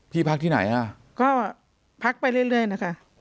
พี่พักที่ไหนฮะก็พักไปเรื่อยเรื่อยนะคะ